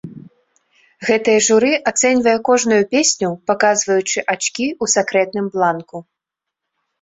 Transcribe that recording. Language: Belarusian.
Гэтае журы ацэньвае кожную песню, паказваючы ачкі ў сакрэтным бланку.